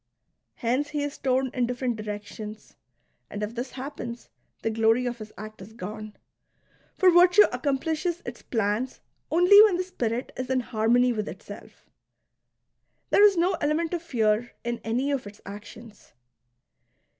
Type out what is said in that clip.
Hence he is torn in different directions ; and if this happens, the glory of his act is gone. For virtue accomplishes its plans only when the spirit is in harmony with itself. There is no element of fear in any of its actions.